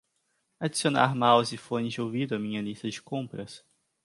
Adicionar mouse e fones de ouvido à minha lista de compras